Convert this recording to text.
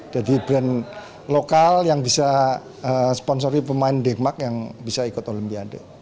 jadi brand lokal yang bisa sponsori pemain denmark yang bisa ikut olimpiade